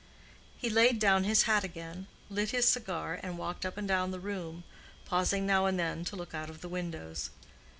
He laid down his hat again, lit his cigar, and walked up and down the room, pausing now and then to look out of the windows.